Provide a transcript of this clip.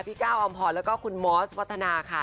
ก้าวอำพรแล้วก็คุณมอสวัฒนาค่ะ